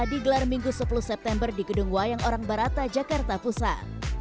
digelar minggu sepuluh september di gedung wayang orang barata jakarta pusat